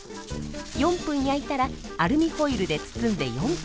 ４分焼いたらアルミホイルで包んで４分。